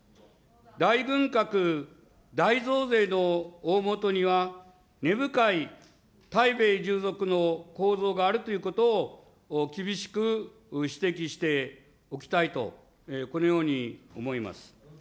大軍拡、大増税の大本には、根深い対米従属の構造があるということを厳しく指摘しておきたいと、このように思います。